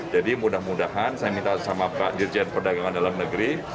jadi mudah mudahan saya minta sama pak dirjen perdagangan dalam negeri